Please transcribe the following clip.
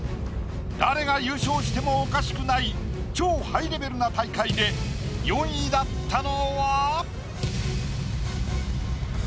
誰が優勝してもおかしくない超ハイレベルな大会で４位だったのは？